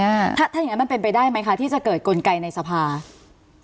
ถ้าอย่างนั้นมันเป็นไปได้ไหมคะที่จะเกิดกลไกในสภา